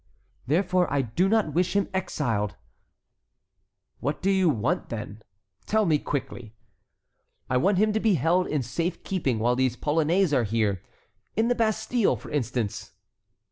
"Therefore I do not wish him exiled." "What do you want, then? Tell me quickly!" "I want him to be held in safe keeping while these Polonais are here; in the Bastille, for instance."